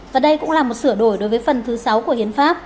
và đây cũng là một sửa đổi đối với phần thứ sáu của hiến pháp